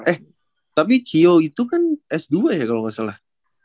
eh tapi cio itu kan s dua ya kalau nggak salah